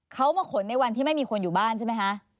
เขามาขนในวันที่ไม่มีคนอยู่บ้านใช่ไหมคะ